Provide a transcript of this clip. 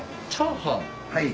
はい。